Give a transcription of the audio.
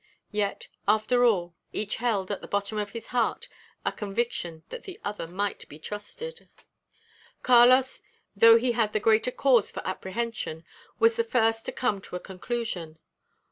Yet, after all, each held, at the bottom of his heart, a conviction that the other might be trusted. Carlos, though he had the greater cause for apprehension, was the first to come to a conclusion.